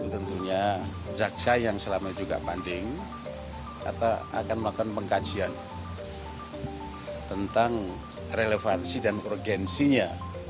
tentunya jaksa yang selama ini juga banding akan melakukan pengkajian tentang relevansi dan urgensinya